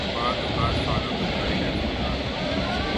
اوربعض اوقات سالوں تک جاری رہ سکتا ہی۔